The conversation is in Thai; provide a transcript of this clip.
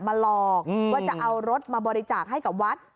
หลอกว่าจะเอารถมาบริจาคให้กับวัด